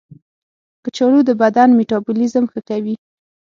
کچالو د بدن میتابولیزم ښه کوي.